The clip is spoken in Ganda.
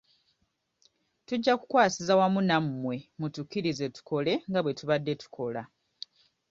Tujja kukwasiza wamu nammwe mutukkirize tukole nga bwe tubadde tukola.